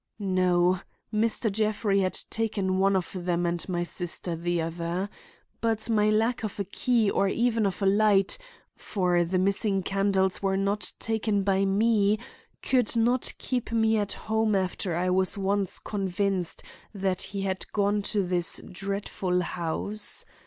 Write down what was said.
"No. Mr. Jeffrey had taken one of them and my sister the other. But the lack of a key or even of a light—for the missing candles were not taken by me—could not keep me at home after I was once convinced that he had gone to this dreadful house.